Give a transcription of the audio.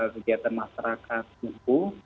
kegiatan masyarakat suku